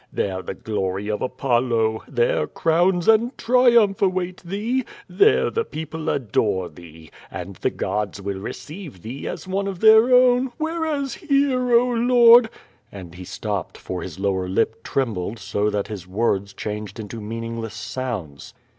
There the glory of Apollo, there crowns and triumph await thee, there the people adore thee, and the gods will receive thee as one of their own, whereas here, oh, lord —",^,. And he stopped, for his lower lip trembled so that his words changed into meaningless sounds.